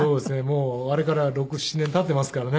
もうあれから６７年経っていますからね。